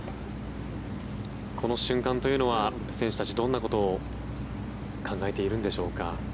この瞬間というのは選手たち、どんなことを考えているんでしょうか。